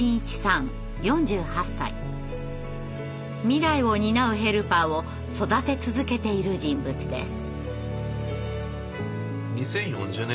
未来を担うヘルパーを育て続けている人物です。